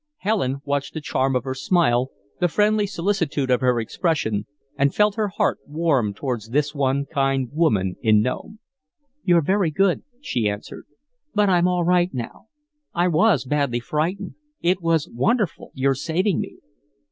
Helen watched the charm of her smile, the friendly solicitude of her expression, and felt her heart warm towards this one kind woman in Nome. "You're very good," she answered; "but I'm all right now. I was badly frightened. It was wonderful, your saving me."